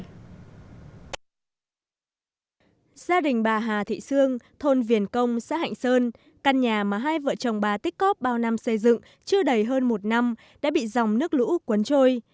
gia đình bà hà thị sương thôn viền công xã hạnh sơn căn nhà mà hai vợ chồng bà tích cóp bao năm xây dựng chưa đầy hơn một năm đã bị dòng nước lũ cuốn trôi